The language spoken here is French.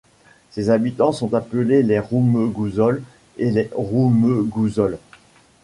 Ses habitants sont appelés les Roumegouzols et les Roumegouzolles.